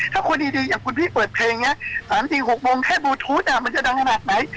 ถ้าคนดีอย่างคุณพี่เปิดเพลงนี้๓๔๖โมงแค่บลูทูธมันจะดังขนาดไหน